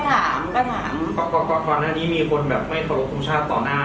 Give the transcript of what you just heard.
ถามก็ถามก่อนหน้านี้มีคนแบบไม่เคารพทรงชาติต่อหน้า